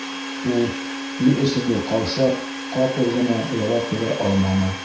Ул ни өсөндөр, ҡаушап, ҡапыл ғына яуап бирә алманы.